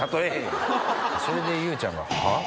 それでユウちゃんが。